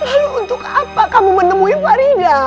lalu untuk apa kamu menemui warida